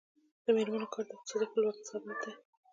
د میرمنو کار د اقتصادي خپلواکۍ سبب دی.